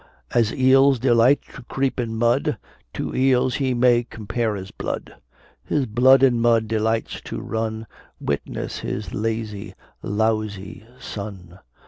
As eels delight to creep in mud, To eels we may compare his blood; His blood in mud delights to run; Witness his lazy, lousy son!